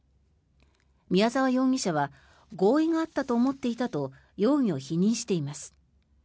宮沢容疑者は合意があったと思っていたと容疑を否認しています。